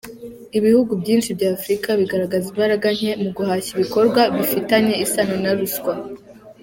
Ibihugu byinshi bya Afurika bigaragaraza imbaraga nke mu guhashya ibikorwa bifitanye isano na ruswa.